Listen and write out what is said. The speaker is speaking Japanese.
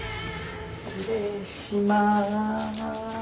失礼します。